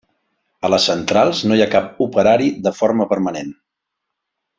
A les centrals no hi ha cap operari de forma permanent.